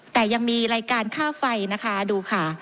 แต่ยังมีรายการค่าไฟนะคะดูค่ะ